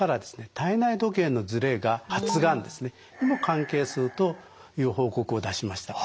体内時計のズレが発がんにも関係するという報告を出しました。